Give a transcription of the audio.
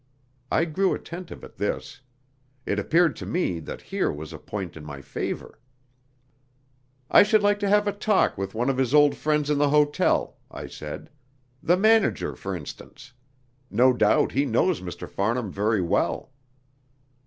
I grew attentive at this. It appeared to me that here was a point in my favour. "I should like to have a talk with one of his old friends in the hotel," I said; "the manager, for instance. No doubt he knows Mr. Farnham very well."